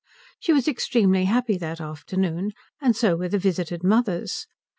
She was extremely happy that afternoon, and so were the visited mothers.